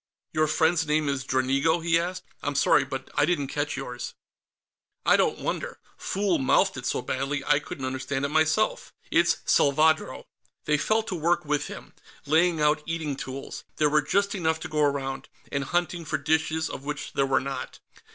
"Your friend's name is Dranigo?" he asked. "I'm sorry, but I didn't catch yours." "I don't wonder; fool mouthed it so badly I couldn't understand it myself. It's Salvadro." They fell to work with him, laying out eating tools there were just enough to go around and hunting for dishes, of which there were not.